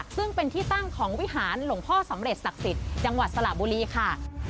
ซึ่งเป็นที่ตั้งของวิหารหลวงพ่อสำเร็จศักดิ์สิทธิ์จังหวัดสระบุรีค่ะ